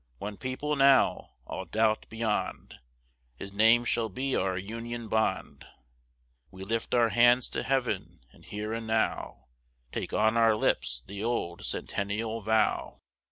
One people now, all doubt beyond, His name shall be our Union bond; We lift our hands to Heaven, and here and now Take on our lips the old Centennial vow.